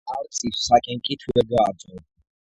არწივს საკენკით ვერ გააძღობ